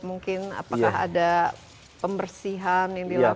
mungkin apakah ada pembersihan yang dilakukan